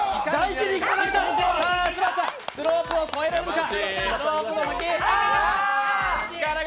柴田さん、スロープを越えられるか。